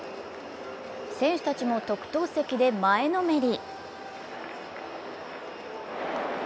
選手たちも特等席で前のめり。